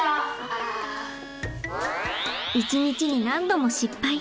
一日に何度も失敗。